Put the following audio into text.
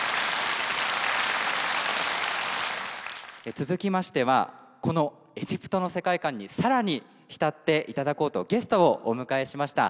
続きましてはこのエジプトの世界観に更に浸っていただこうとゲストをお迎えしました。